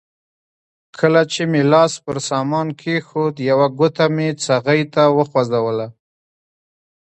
کله چې مې لاس پر سامان کېښود یوه ګوته مې څغۍ ته وغځوله.